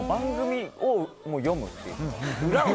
裏を読むっていう。